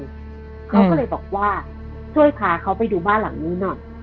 เขาก็เลยบอกว่าช่วยพาเขาไปดูบ้านหลังนี้หน่อย